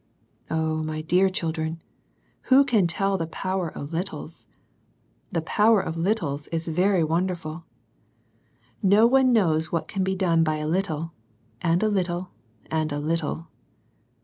'" Oh, my dear children, who can tell the power of littles ? The power of littles is very wonderful ! No one knows what can be done by a little, and a little, and a little.